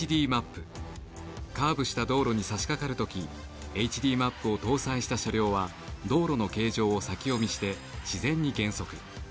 カーブした道路にさしかかる時ＨＤマップを搭載した車両は道路の形状を先読みして自然に減速。